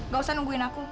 gak usah nungguin aku